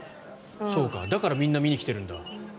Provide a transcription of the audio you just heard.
だからみんな見に来てるんだ。